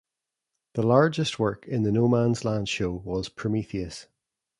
The largest work in the "No Man's Land" show was "Prometheus".